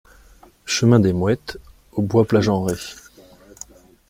Chemin des Mouettes au Bois-Plage-en-Ré